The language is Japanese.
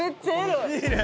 いいね。